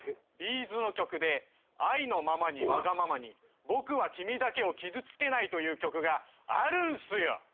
Ｂ’ｚの曲で「愛のままにわがままに僕は君だけを傷つけない」という曲があるんすよ